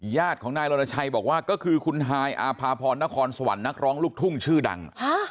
ญาติของนายรณชัยบอกว่าก็คือคุณฮายอาภาพรนครสวรรค์นักร้องลูกทุ่งชื่อดัง